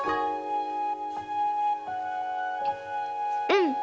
うん。